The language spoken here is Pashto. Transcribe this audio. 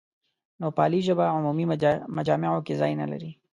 نوپالي ژبه عمومي مجامعو کې ځای نه لري.